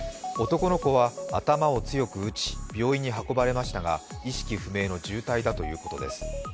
男の子は頭を強く打ち病院に運ばれましたが意識不明の重体だということです。